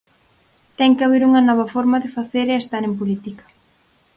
Ten que haber unha nova forma de facer e estar en política.